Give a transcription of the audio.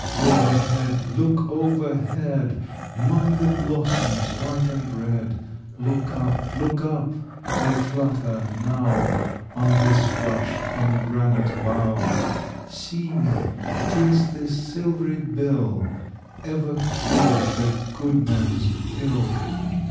Overhead!—look overhead 'Mong the blossoms white and red. Look up! Look up!—I flutter now On this flush pomegranate bough. See me! 'Tis this silvery bill Ever cures the good man's ill.